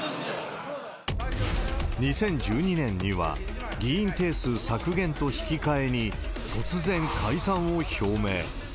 ２０１２年には、議員定数削減と引き換えに、突然、解散を表明。